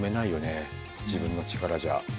自分の力じゃ。